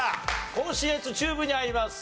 甲信越中部に入ります。